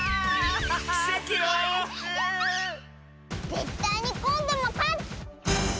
ぜったいにこんどもかつ！